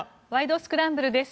スクランブル」です。